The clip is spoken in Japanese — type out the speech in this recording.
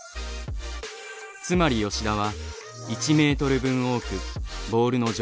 つまり吉田は１メートル分多くボールの情報を得ている。